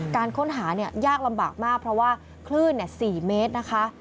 การค้นหายากลำบากมากเพราะว่าคลื่น๔เมตรนะคะ